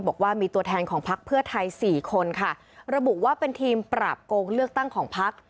บอกว่ามีตัวแทนของพักเพื่อไทยสี่คนค่ะระบุว่าเป็นทีมปราบโกงเลือกตั้งของพัก